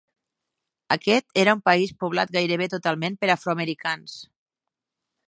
Aquest era un país poblat gairebé totalment per afroamericans.